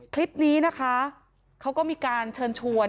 คลิปนี้นะคะเขาก็มีการเชิญชวน